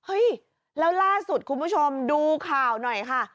เฮ้ยแล้วล่าสุดคุณผู้ชมดูข่าวหน่อยค่ะ